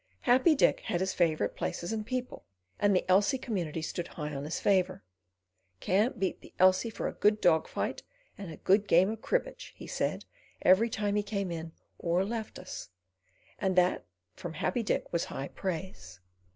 Happy Dick had his favourite places and people, and the Elsey community stood high in his favour. "Can't beat the Elsey for a good dog fight and a good game of cribbage," he said, every time he came in or left us, and that from Happy Dick was high praise.